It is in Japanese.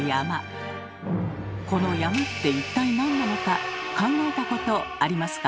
この山って一体なんなのか考えたことありますか？